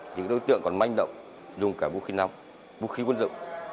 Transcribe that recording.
thì đối tượng còn manh động dùng cả vũ khí nông vũ khí quân rộng